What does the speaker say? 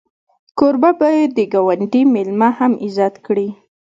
کوربه باید د ګاونډي میلمه هم عزت کړي.